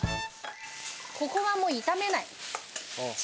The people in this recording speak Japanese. ここはもう炒めない。